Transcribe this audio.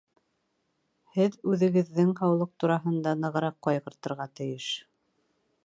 Һеҙ үҙегеҙҙең һаулыҡ тураһында нығыраҡ ҡайғыртырға тейеш